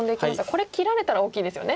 これ切られたら大きいですよね。